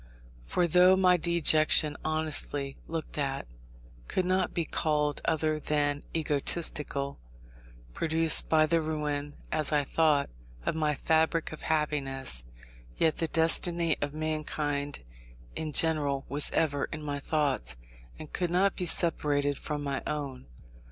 For though my dejection, honestly looked at, could not be called other than egotistical, produced by the ruin, as I thought, of my fabric of happiness, yet the destiny of mankind in general was ever in my thoughts, and could not be separated from my own.